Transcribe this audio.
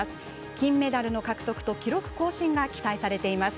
金メダルの獲得と記録更新が期待されています。